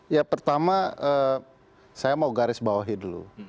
ya pertama saya mau garis bawahi dulu